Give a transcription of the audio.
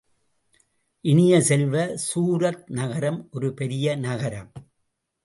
இனிய செல்வ, சூரத் நகரம் ஒரு பெரிய நகரம்!